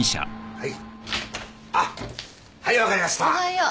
はい。